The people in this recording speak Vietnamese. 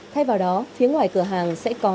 thay vào đó phía ngoài cửa hàng sẽ có